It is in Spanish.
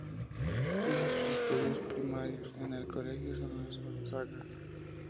Hizo sus estudios primarios en el Colegio San Luis Gonzaga.